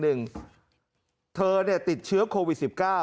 เธอเนี่ยติดเชื้อโควิด๑๙